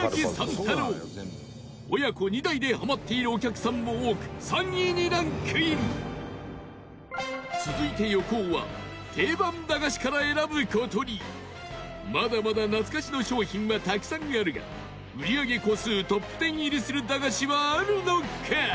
太郎親子２代でハマっているお客さんも多く３位にランクイン続いて、横尾は定番駄菓子から選ぶ事にまだまだ懐かしの商品はたくさんあるが売上個数トップ１０入りする駄菓子はあるのか？